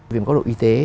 vì một góc độ y tế